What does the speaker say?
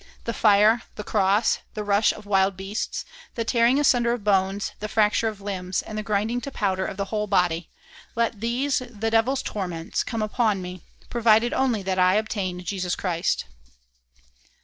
The fire, the cross, the rush of wild beasts, the tearing asunder of bones, the fracture of limbs, and the grinding to powder of the whole body, let these, the devil's torments, come upon me, provided only that I obtain Jesus Christ."